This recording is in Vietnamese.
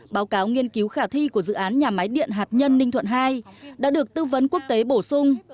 báo cáo nghiên cứu khả thi của dự án nhà máy điện hạt nhân ninh thuận ii đã được tư vấn quốc tế bổ sung